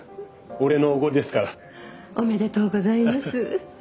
俺のおごりですから。おめでとうございます。